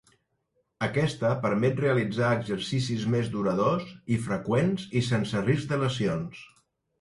Aquesta permet realitzar exercicis més duradors i freqüents, i sense risc de lesions.